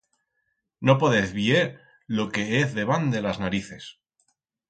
No podez vier lo que hez debant de las narices.